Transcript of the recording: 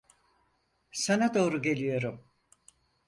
Sana doğru geliyorum.